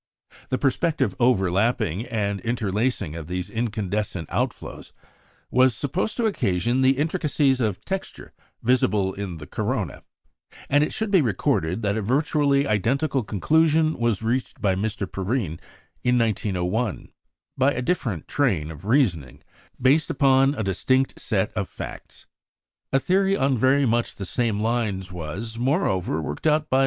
The perspective overlapping and interlacing of these incandescent outflows was supposed to occasion the intricacies of texture visible in the corona; and it should be recorded that a virtually identical conclusion was reached by Mr. Perrine in 1901, by a different train of reasoning, based upon a distinct set of facts. A theory on very much the same lines was, moreover, worked out by M.